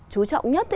chú trọng nhất